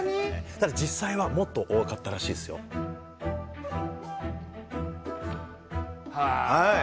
ただ実際はもっと多かったらしいですよ。へえ。